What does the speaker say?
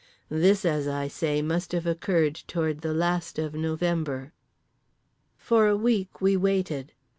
This, as I say, must have occurred toward the last of November. For a week we waited.